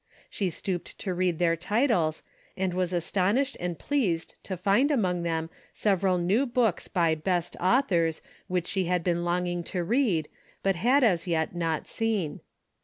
She stooped to read their titles, and was astonished and pleased to find among them several new books by best authors, which she had been longing to read, but had as yet not seen.